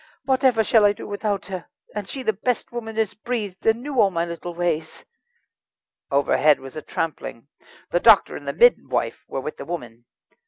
whatever shall I do without her? and she the best woman as breathed, and knew all my little ways." Overhead was a trampling. The doctor and the midwife were with the woman.